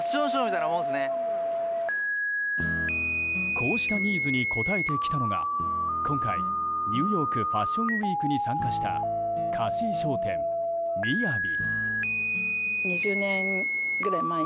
こうしたニーズに応えてきたのが今回、ニューヨーク・ファッションウィークに参加した貸衣装店みやび。